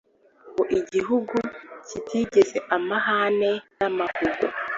Ngo igihugu tugikize amahane n'amahugu